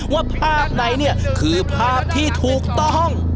ว่าภาพไหนเนี่ยคือภาพที่ถูกต้อง